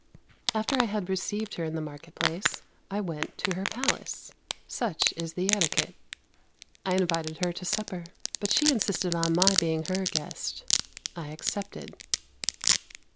After I had received her in the market place, I went to her palace. Such is the etiquette. I invited her to supper; but she insisted on my being her guest. I accepted.